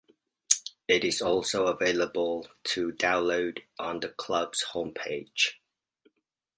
It is also available to download on the club's homepage.